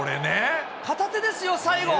片手ですよ、最後。